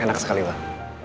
enak sekali pak